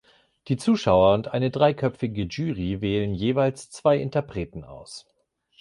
Die Zuschauer und eine dreiköpfige Jury wählen jeweils zwei Interpreten aus.